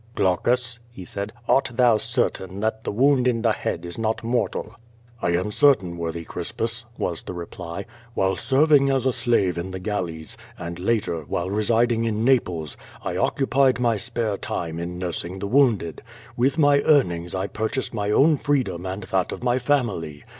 "Glaucus," he said, "art thou certain that the wound in the head is not mortal?" "I am certain, worthy Crispus," was the reply. "While serving as a slave in the galleys, and, later, while residing in Naples, I occupied my spare time in nursing the wounded. With my earnings I purchased my own freedom and that of my family.